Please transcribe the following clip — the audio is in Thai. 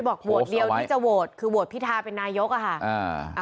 บอกโหวตเดียวที่จะโหวตคือโหวตพิทาเป็นนายกอะค่ะ